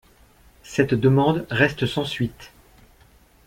Cette demande reste sans suite.